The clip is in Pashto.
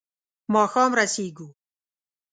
ماښام رسېږو.